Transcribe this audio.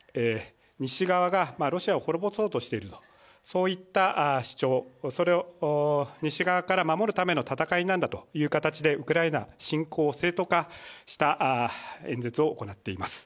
西側がロシアを滅ぼそうとしている、そういった主張、それを西側から守るための戦いなんだという形でウクライナ侵攻を正当化した演説を行っています。